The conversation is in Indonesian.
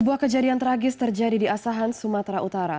sebuah kejadian tragis terjadi di asahan sumatera utara